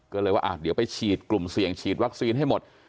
ก็เลยว่าเดี๋ยวไปฉีดกลุ่มเสี่ยงฉีดวัคซีนให้หมด